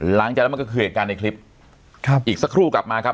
หลังจากนั้นมันก็คือเหตุการณ์ในคลิปครับอีกสักครู่กลับมาครับ